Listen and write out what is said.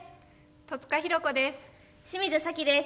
戸塚寛子です。